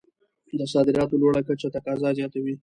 د صادراتو لوړه کچه تقاضا زیاتوي.